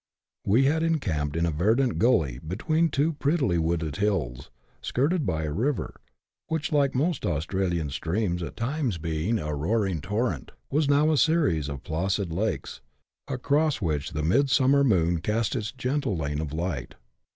We had encamped in a verdant gully, between two prettily wooded hills, skirted by a river, which, like most Australian streams, at times a roaring torrent, was now a series of placid lakes, across which the midsummer nj^on cast its gentle lane of light.